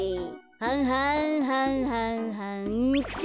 はんはんはんはんはんっと。